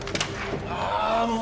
ああもう！